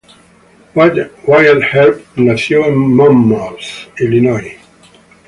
Wyatt Earp nació en Monmouth, Illinois.